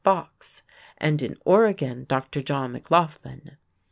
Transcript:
Fox, and in Oregon, Dr. John McLoughlin.